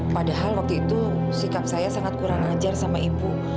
padahal waktu itu sikap saya sangat kurang ajar sama ibu